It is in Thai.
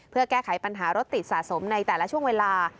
เพื่อแก้ไขปัญหารถติดสะสมในแต่ละช่วงเวลา